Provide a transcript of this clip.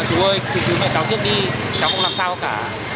chú ơi cứu mẹ cháu trước đi cháu không làm sao cả